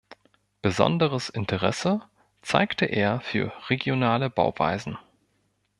Besonderes Interesse zeigte er für regionale Bauweisen.